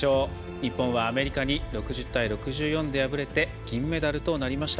日本はアメリカに６０対６４で敗れて銀メダルとなりました。